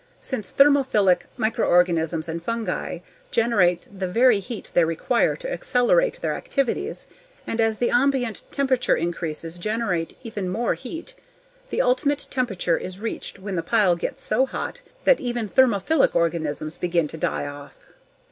Since thermophilic microorganisms and fungi generate the very heat they require to accelerate their activities and as the ambient temperature increases generate even more heat, the ultimate temperature is reached when the pile gets so hot that even thermophilic organisms begin to die off.